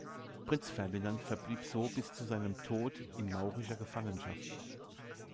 Prinz Ferdinand verblieb so bis zu seinem Tod in maurischer Gefangenschaft.